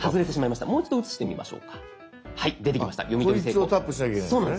こいつをタップしなきゃいけないんですね